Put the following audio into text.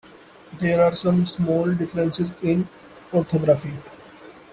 There are some small differences in orthography.